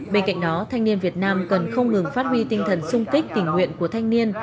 bên cạnh đó thanh niên việt nam cần không ngừng phát huy tinh thần sung kích tình nguyện của thanh niên